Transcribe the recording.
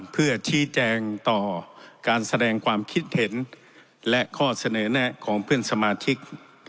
เพื่อชี้แจงต่อการแสดงความคิดเห็นและข้อเสนอแนะของเพื่อนสมาชิก